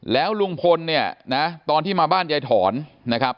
แล้วลุงพลเนี่ยนะตอนที่มาบ้านยายถอนนะครับ